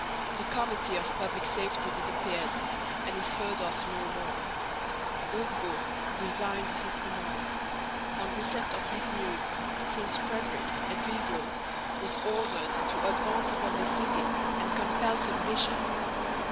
The Committee of Public Safety disappeared and is heard of no more. Hoogvoort resigned his command. On receipt of this news Prince Frederick at Vilvoorde was ordered to advance upon the city and compel submission.